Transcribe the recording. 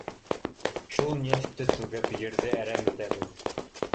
Шул нефтте түгеп, ерҙе әрәм итәбеҙ